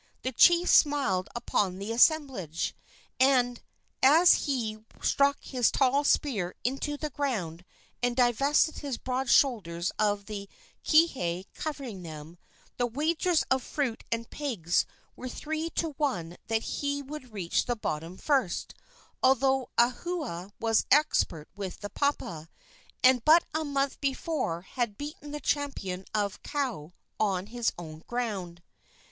The chief smiled upon the assemblage, and as he struck his tall spear into the ground and divested his broad shoulders of the kihei covering them, the wagers of fruit and pigs were three to one that he would reach the bottom first, although Ahua was expert with the papa, and but a month before had beaten the champion of Kau on his own ground.